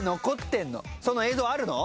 その映像あるの？